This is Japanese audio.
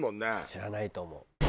知らないと思う。